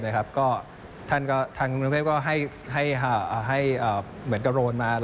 ทางบนกรุงเทพฯก็ให้เหมือนกระโรนมา